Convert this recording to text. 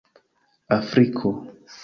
Afriko